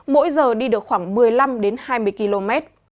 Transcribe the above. mỗi giờ đi được khoảng một mươi năm đến hai mươi km